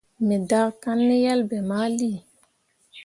Me daakanne ne yelbe mali.